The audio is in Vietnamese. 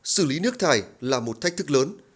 xử lý nước thải là một thách thức lớn